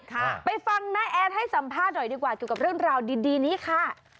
ไปฟังน้าแอดให้สัมภาษณ์หน่อยดีกว่าเกี่ยวกับเรื่องราวดีดีนี้ค่ะ